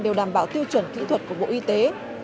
đều đảm bảo tiêu chuẩn kỹ thuật của bộ y tế